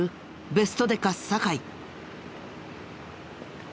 ベストデカ酒井。